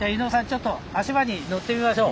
ちょっと足場に乗ってみましょう。